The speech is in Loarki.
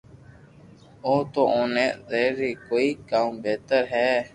او تو اوني زبر ھي ڪي ڪاوُ بھتر ھي